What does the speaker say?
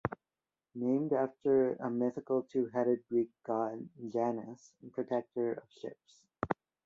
Named after a mythical two-headed Greek God, Janus, protector of ships.